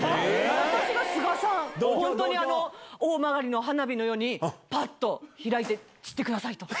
私が菅さん、本当に、大曲の花火のように、ぱっと開いて散ってくださいと。